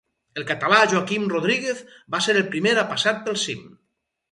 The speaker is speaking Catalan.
El català Joaquim Rodríguez va ser el primer a passar pel cim.